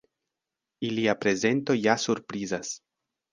Ilia prezento ja surprizas.